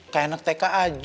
kayak enak teka aja